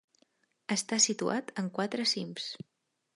Està situat en quatre cims.